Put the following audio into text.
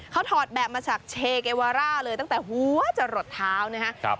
เขาถอดแบบมาจากเชเกวาร่าเลยตั้งแต่หัวจะหลดเท้านะครับ